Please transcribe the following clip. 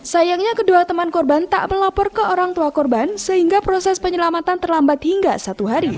sayangnya kedua teman korban tak melapor ke orang tua korban sehingga proses penyelamatan terlambat hingga satu hari